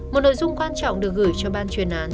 một nội dung quan trọng được gửi cho ban chuyên án